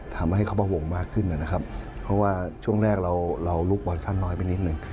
ทำให้เขาประวงมากขึ้นนะครับเพราะว่าช่วงแรกเราลูกบอลสั้นน้อยไปนิดหนึ่ง